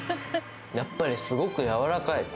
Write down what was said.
やっぱり、すごく柔らかい。